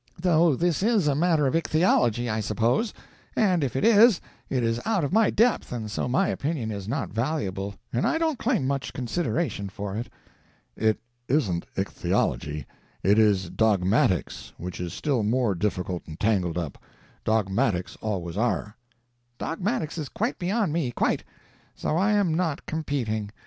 Though this is a matter of ichthyology, I suppose; and if it is, it is out of my depth, and so my opinion is not valuable, and I don't claim much consideration for it." "It isn't ichthyology; it is dogmatics, which is still more difficult and tangled up. Dogmatics always are." "Dogmatics is quite beyond me, quite; so I am not competing.